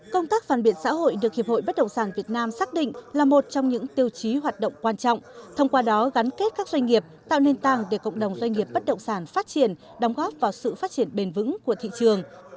công tác phản biện xã hội được hiệp hội bất động sản việt nam xác định là một trong những tiêu chí hoạt động quan trọng thông qua đó gắn kết các doanh nghiệp tạo nền tảng để cộng đồng doanh nghiệp bất động sản phát triển đóng góp vào sự phát triển bền vững của thị trường